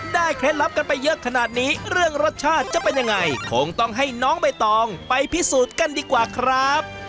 เคล็ดลับกันไปเยอะขนาดนี้เรื่องรสชาติจะเป็นยังไงคงต้องให้น้องใบตองไปพิสูจน์กันดีกว่าครับ